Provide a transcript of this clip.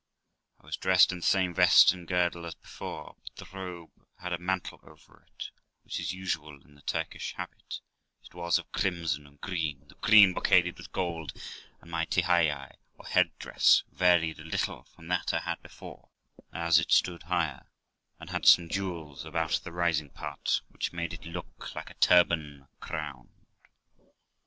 I was dressed in the same vest and girdle as before, but the robe had a mantle over it, which is usual in the Turkish habit, and it was of crimson and green, the green brocaded with gold ; and my tyhiaai, or head dress, varied a little from that I had before, as it stood higher, and had some jewels about the rising part, which made it look like a turban crowned.